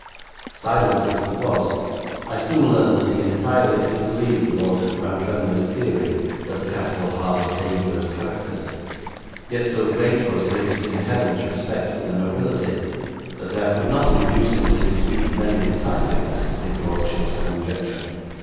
Silent as he was, I soon learned that he entirely disbelieved Lord Rantremly's theory that the castle harboured dangerous characters, yet so great was his inherent respect for the nobility that I could not induce him to dispute with any decisiveness his lordship's conjecture.